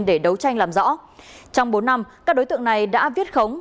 để đấu tranh làm rõ trong bốn năm các đối tượng này đã viết khống